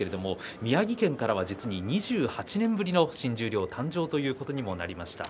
宮城県からは実に２８年ぶりの新十両誕生ということにもなりました。